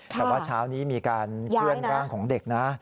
แต่ว่าเช้านี้มีการเคลื่อนร่างของเด็กนะ